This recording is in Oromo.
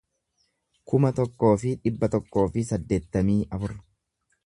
kuma tokkoo fi dhibba tokkoo fi saddeettamii afur